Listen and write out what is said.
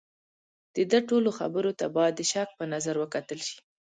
د ده ټولو خبرو ته باید د شک په نظر وکتل شي.